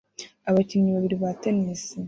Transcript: Abakinnyi babiri ba tennis